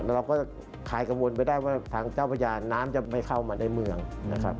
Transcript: เราก็จะคลายกังวลไปได้ว่าทางเจ้าพระยาน้ำจะไม่เข้ามาในเมืองนะครับ